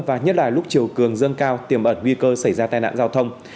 và nhất là lúc chiều cường dâng cao tiềm ẩn nguy cơ xảy ra tai nạn giao thông